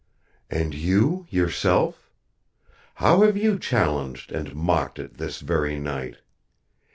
"And you yourself? How have you challenged and mocked It this very night?